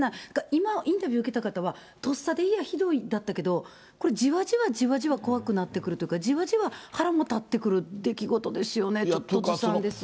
今、インタビュー受けた方は、とっさで、いや、ひどいだったけど、これ、じわじわじわじわ怖くなってくるとか、じわじわ腹も立ってくる出来事ですよね、ちょっとずさんです。